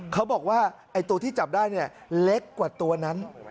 เขาบอกว่าตัวที่จับได้เล็กกว่าตัวนั้น